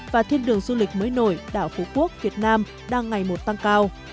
và thiên đường du lịch mới nổi đảo phú quốc việt nam đang ngày một tăng cao